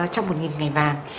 trong một nghìn ngày vàng